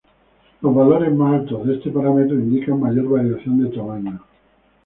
Los valores más altos de este parámetro indican mayor variación de tamaño.